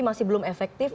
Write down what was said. masih belum efektif